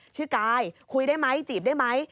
กายคุยได้ไหมจีบได้ไหม